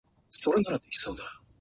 朝ごはんを食べよう。